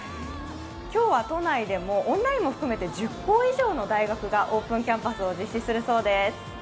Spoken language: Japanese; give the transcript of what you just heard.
今日は都内でもオンラインを含めて１０校以上の大学がオープンキャンパスを実施するそうです。